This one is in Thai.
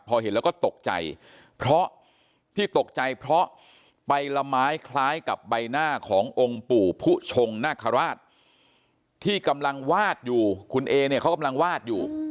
พอเห็นแล้วก็ตกใจเพราะที่ตกใจเพราะใบละไม้คล้ายกับใบหน้าขององค์ปู่ผู้ชงนาคาราชที่กำลังวาดอยู่คุณเอเนี่ยเขากำลังวาดอยู่